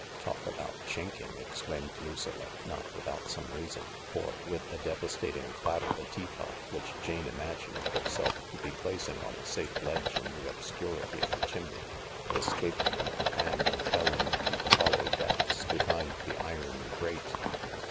"Talk about chinking !" exclaimed Lucilla, not without some reason, for, with a devastating clatter, the tea pot, which Jane imagined herself to be placing on a safe ledge in the obscurity of the chimney, escaped from her hand and fell into the hollow depths behind the iron grate.